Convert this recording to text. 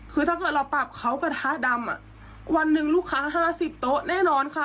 คือถ้าเกิดเราปรับเขากระทะดำวันหนึ่งลูกค้า๕๐โต๊ะแน่นอนค่ะ